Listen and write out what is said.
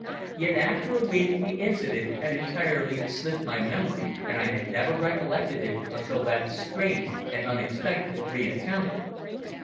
Yet after a week the incident had entirely slipped my memory and I had never recollected it until that strange and unexpected re encounter.